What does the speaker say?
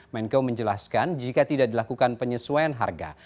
menko menjelaskan jika tidak dilakukan penyesuaian harga